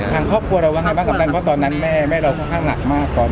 ทางครอบครัวเราก็ยังไงบ้างกับตอนนั้นแม่แม่เราก็ค่อนข้างหลักมาก